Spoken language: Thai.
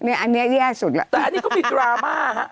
เนี่ยอันนี้แย่สุดแต่อันนี้ก็มีดราม่าฮะ